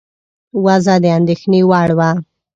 وضع د اندېښنې وړ وه.